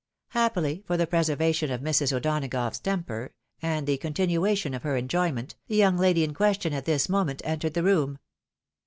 Happily for the preservation of Mrs. O'Donagough's temper, and the continuation of her enjoyment, the young lady in question at this moment entered the room.